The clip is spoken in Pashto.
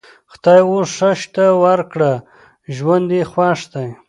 خدای اوس ښه شته ورکړ؛ ژوند یې خوښ دی.